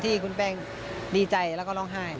ที่คุณแป้งดีใจแล้วก็ร้องไห้